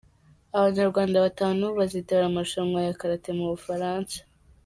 Abanyarwanda batanu bazitabira amarushanwa ya Karate mu Bufaransa